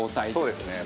そうですね。